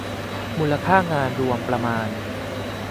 มูลค่างานรวมประมาณ